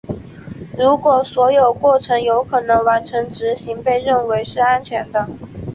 如果所有过程有可能完成执行被认为是安全的。